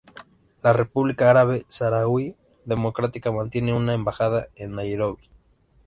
La República Árabe Saharaui Democrática mantiene una embajada en Nairobi.